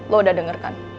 lo udah denger kan